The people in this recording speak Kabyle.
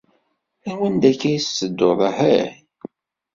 Ar wanda akka i tettedduḍ a Hey?